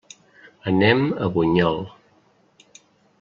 Anem a Bunyol.